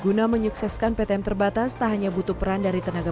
guna menyukseskan ptm terbatas tak hanya butuh peran dari tenaga